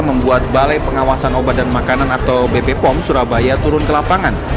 membuat balai pengawasan obat dan makanan atau bp pom surabaya turun ke lapangan